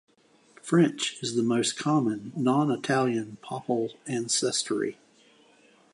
French is the most common non-Italian papal ancestry.